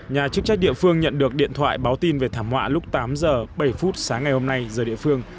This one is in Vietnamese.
nhà chức trách địa phương nhận được điện thoại báo tin về thảm họa lúc tám giờ bảy phút sáng ngày hôm nay giờ địa phương